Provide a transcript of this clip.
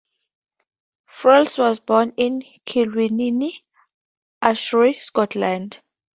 Friels was born in Kilwinning, Ayrshire, Scotland.